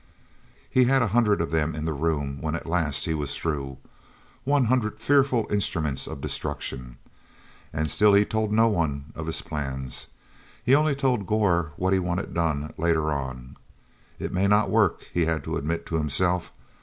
He had a hundred of them in the room when at last he was through—one hundred fearful instruments of destruction. And still he told no one of his plans; he only told Gor what he wanted done later on. "It may not work," he had to admit to himself.